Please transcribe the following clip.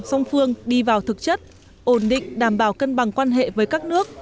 song phương đi vào thực chất ổn định đảm bảo cân bằng quan hệ với các nước